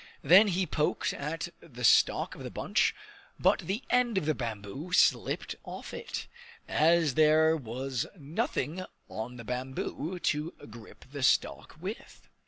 Then he poked at the stalk of the bunch, but the end of the bamboo slipped off it, as there was nothing on the bamboo to grip the stalk with.